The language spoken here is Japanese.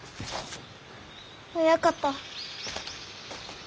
親方。